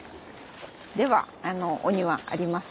ではお庭あります。